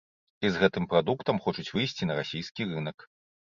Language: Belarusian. І з гэтым прадуктам хочуць выйсці на расійскі рынак.